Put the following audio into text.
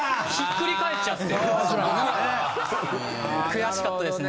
くやしかったですね。